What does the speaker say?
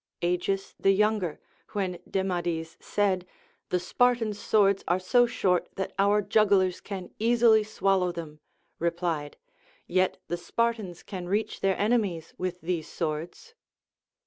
Agis the Younger, when Demades said, The Spartans' swords are so short that our jugglers can easily swallow them, replied, Yet the Spartans can reach their enemies Avith these swords.